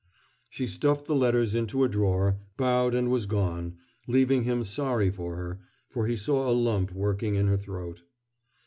She stuffed the letters into a drawer, bowed, and was gone, leaving him sorry for her, for he saw a lump working in her throat.